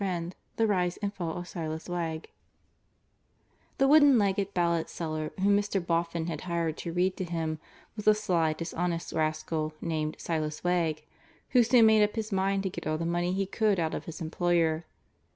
III THE RISE AND FALL OF SILAS WEGG The wooden legged ballad seller whom Mr. Boffin had hired to read to him was a sly, dishonest rascal named Silas Wegg, who soon made up his mind to get all the money he could out of his employer.